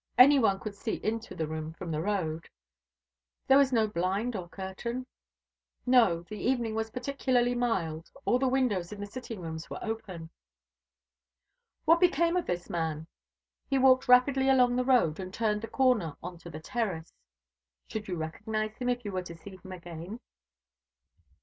Any one could see into the room from the road." "There was no blind or curtain?" "No. The evening was particularly mild. All the windows in the sitting rooms were open." "What became of this man?" "He walked rapidly along the road, and turned the corner on to the terrace." "Should you recognise him if you were to see him again?"